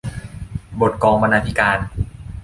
บทกองบรรณาธิการ